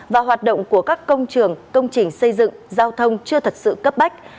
và hoạt động của các công trường công trình xây dựng giao thông chưa thật sự cấp bách